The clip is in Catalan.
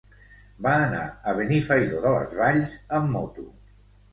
Va anar a Benifairó de les Valls amb moto.